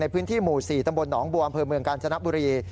พื้นที่หมู่๔ตำบลหนองบัวอำเภอเมืองกาญจนบุรี